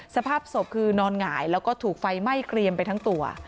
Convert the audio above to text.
สภาพศพคือนอนหงายแล้วก็ถูกไฟไหม้เกรียมไปทั้งตัว